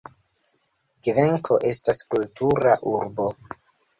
Kvenko estas kultura urbo.